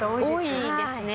多いですね。